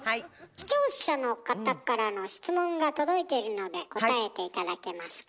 視聴者の方からの質問が届いているので答えて頂けますか？